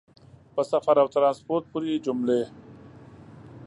په سفر او ټرانسپورټ پورې جملې